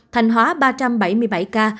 thành hóa ba trăm bảy mươi bảy ca